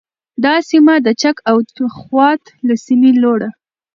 دا سیمه د چک او خوات له سیمې لوړه